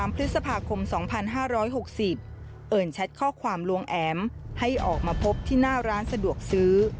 พฤษภาคม๒๕๖๐เอิญแชทข้อความลวงแอ๋มให้ออกมาพบที่หน้าร้านสะดวกซื้อ